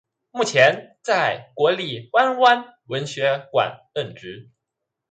目前在国立台湾文学馆任职。